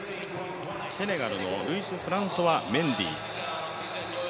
セネガルのルイスフランソワ・メンディー。